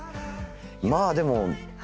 まあでも。